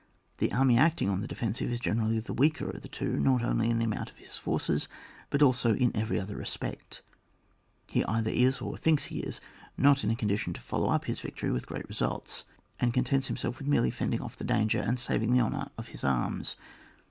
The army acting on the defensive is gene rally the weaker of the two, not only in the amount of his forces, but also in every other respect ; he either is, or thinks he is, not in a condition to follow up his victory with great results, and contents himself with merely fending off the danger and saving the honour of his arms.